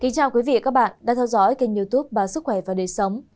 chào các bạn đã theo dõi kênh youtube bà sức khỏe và đời sống